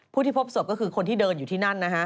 ที่พบศพก็คือคนที่เดินอยู่ที่นั่นนะฮะ